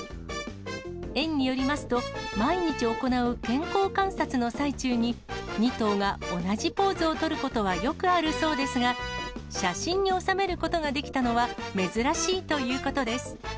園によりますと、毎日行う健康観察の最中に、２頭が同じポーズを取ることはよくあるそうですが、写真に収めることができたのは珍しいということです。